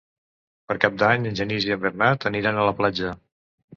Per Cap d'Any en Genís i en Bernat aniran a la platja.